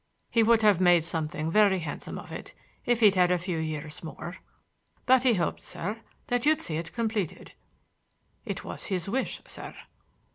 He would have made something very handsome of it if he'd had a few years more. But he hoped, sir, that you'd see it completed. It was his wish, sir."